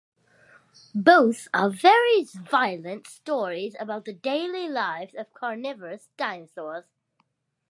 Both are very violent stories about the daily lives of carnivorous dinosaurs.